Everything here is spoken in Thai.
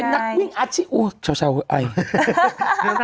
นักวิ่งมาลาทอน